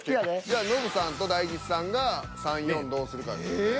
じゃあノブさんと大吉さんが３４どうするかですね。